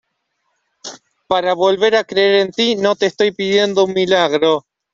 para volver a creer en ti. no te estoy pidiendo un milagro